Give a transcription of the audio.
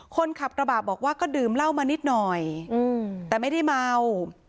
คนขับกระบะบอกว่าก็ดื่มเหล้ามานิดหน่อยแต่ไม่ได้เมา